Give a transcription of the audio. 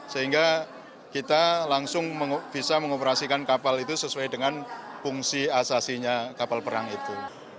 sehingga kita langsung bisa mengoperasikan kapal itu sesuai dengan fungsi asasinya kapal perang itu